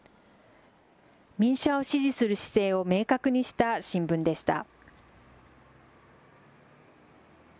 民主派を支持する姿勢を明確にした新聞でした。